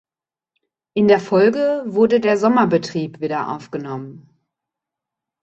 In der Folge wurde der Sommerbetrieb wieder aufgenommen.